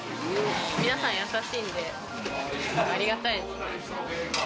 皆さんやさしいんで、ありがたいですね。